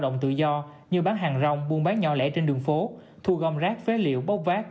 động tự do như bán hàng rong buôn bán nhỏ lẻ trên đường phố thu gom rác phế liệu bốc vác